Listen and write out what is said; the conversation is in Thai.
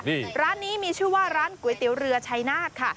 นี่ร้านนี้มีชื่อว่าร้านก๋วยเตี๋ยวเรือชัยนาธค่ะ